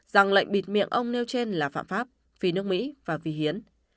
rằng lệnh bịt miệng ông niu chen là phạm pháp phi nước mỹ và phi hiến